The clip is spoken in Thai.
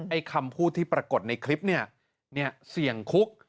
คำพูดที่ปรากฏในคลิปเนี่ยเสี่ยงคุก